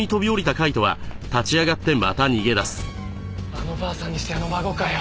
あのばあさんにしてあの孫かよ。